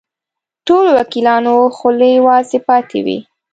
ټولو وکیلانو خولې وازې پاتې وې.